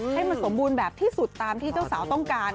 ให้มันสมบูรณ์แบบที่สุดตามที่เจ้าสาวต้องการ